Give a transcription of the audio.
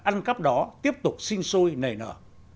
ăn cắp đó tiếp tục sinh sôi nảy nở